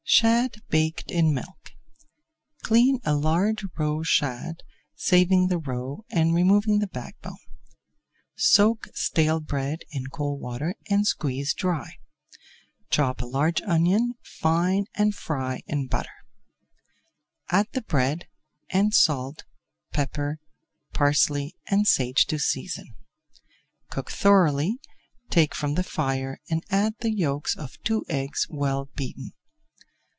SHAD BAKED IN MILK Clean a large roe shad, saving the roe and removing the back bone. Soak stale bread in cold water and squeeze dry. Chop a large onion [Page 330] fine and fry in butter. Add the bread, and salt, pepper, parsley, and sage to season. Cook thoroughly, take from the fire and add the yolks of two eggs well beaten.